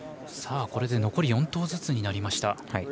これで残り４投ずつになりました。